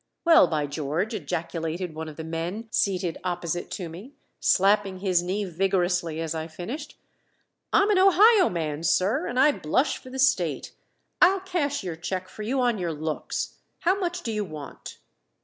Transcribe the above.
"Well, by George!" ejaculated one of the men seated opposite to me, slapping his knee vigorously as I finished. "I'm an Ohio man, sir, and I blush for the State. I'll cash your check for you on your looks. How much do you want?"